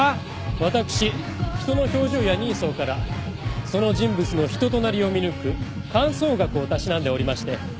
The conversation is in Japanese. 私人の表情や人相からその人物の人となりを見抜く観相学をたしなんでおりまして。